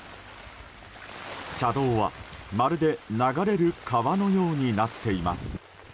車道は、まるで流れる川のようになっています。